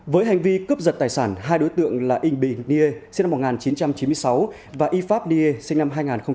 với hành vi cướp giật tài sản hai đối tượng là yng bình nghê sinh năm một nghìn chín trăm chín mươi sáu và y pháp nghê sinh năm hai nghìn hai